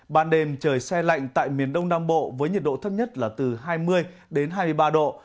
ban đêm trời xe lạnh tại miền đông nam bộ với nhiệt độ thấp nhất là từ hai mươi đến hai mươi ba độ